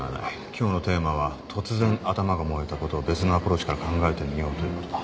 今日のテーマは突然頭が燃えたことを別のアプローチから考えてみようということだ。